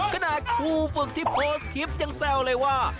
ขณะครูฝึกที่โพสต์คลิปยังแซวเลยว่า